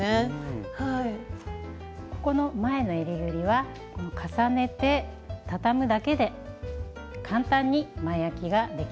ここの前のえりぐりは重ねてたたむだけで簡単に前あきができるんです。